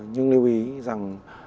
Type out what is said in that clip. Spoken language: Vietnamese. nhưng lưu ý rằng